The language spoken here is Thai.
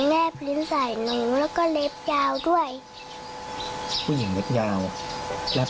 แล้วที่นี่ก็เจอผู้หญิงแลบลิ้นใส่น้องแล้วก็เล็บยาวด้วย